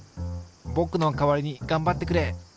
ぼくの代わりにがんばってくれ！